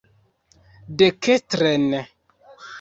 Dekstren!